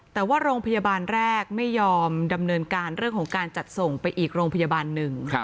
แต่ว่าโรงพยาบาลแรกไม่ยอมดำเนินการเรื่องของการจัดส่งไปอีกโรงพยาบาลหนึ่ง